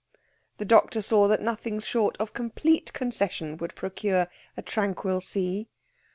The doctor saw that nothing short of complete concession would procure a tranquil sea.